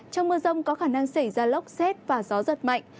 trong mưa rông có khả năng xảy ra lốc xét và gió giật mạnh